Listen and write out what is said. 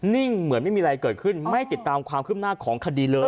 เหมือนไม่มีอะไรเกิดขึ้นไม่ติดตามความขึ้นหน้าของคดีเลย